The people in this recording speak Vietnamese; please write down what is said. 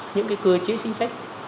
những cái cơ chế chính sách